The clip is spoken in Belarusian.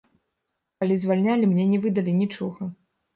Калі звальнялі, мне не выдалі нічога.